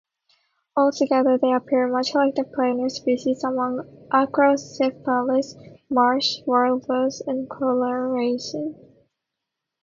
Altogether, they appear much like the plainer species among "Acrocephalus" marsh-warblers in coloration.